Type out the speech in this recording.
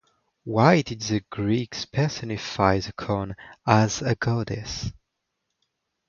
Why did the Greeks personify the corn as a goddess?